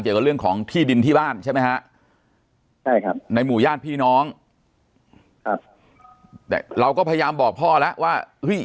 เกี่ยวกับเรื่องของที่ดินที่บ้านใช่ไหมฮะใช่ครับในหมู่ญาติพี่น้องครับแต่เราก็พยายามบอกพ่อแล้วว่าเฮ้ย